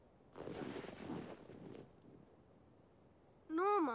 ノーマン？